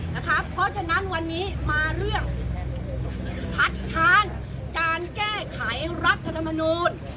เพราะฉะนั้นวันนี้มาเรื่องคัดค้านการแก้ไขรัฐธรรมนูล